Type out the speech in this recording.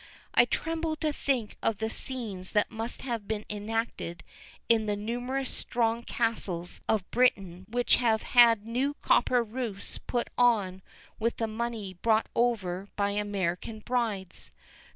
I tremble to think of the scenes that must have been enacted in the numerous strong castles of Britain which have had new copper roofs put on with the money brought over by American brides.